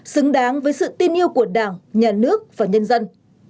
xứng đáng với sự tin yêu của đảng nhà nước và nhân dân